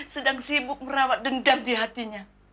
sedang sibuk merawat dendam di hatinya